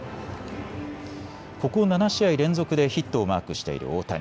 ここ７試合連続でヒットをマークしている大谷。